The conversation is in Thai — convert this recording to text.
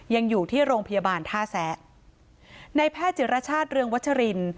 ยังอยู่ที่โรงพยาบาลท่าแซะในแพทย์จิรชาติเรืองวัชริน